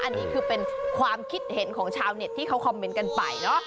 อันนี้คือเป็นความคิดเห็นของชาวเน็ตที่เขาคอมเมนต์กันไปเนอะ